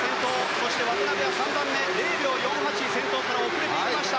そして、渡辺は０秒４８先頭から遅れていきました。